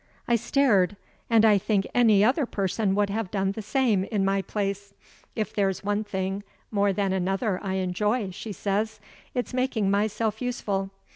I stared; and I think any other person would have done the same in my place. 'If there's one thing more than another I enjoy,' she says, 'it's making myself useful.